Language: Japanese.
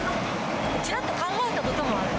ちらっと考えたこともある。